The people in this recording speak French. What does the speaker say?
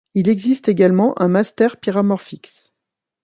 Il existe également un Master Pyramorphix.